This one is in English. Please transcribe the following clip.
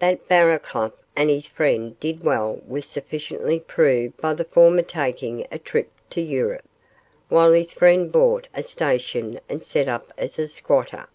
That Barraclough and his friend did well was sufficiently proved by the former taking a trip to Europe, while his friend bought a station and set up as a squatter.